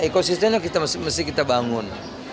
ekosistemnya kita mesti bangun